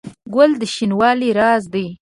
ګل د شینوالي راز دی.